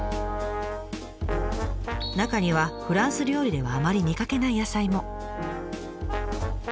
中にはフランス料理ではあまり見かけない野菜も。